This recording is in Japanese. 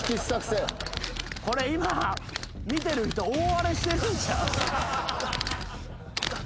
これ今見てる人大荒れしてるんちゃう？